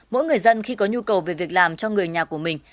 mỗi người dân khi có nhu cầu về việc làm cho người nhà của mình